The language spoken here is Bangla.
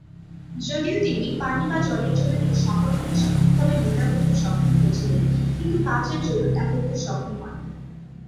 যদিও তিনি পানি বা জলের জন্য এই সম্পর্কটি সঠিকভাবে নির্ণয় করতে সক্ষম হয়েছিলেন, কিন্তু কাচের জন্য তা করতে সক্ষম হননি।